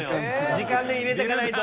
時間で入れていかないと。